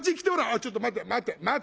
「ちょっと待て待て待て。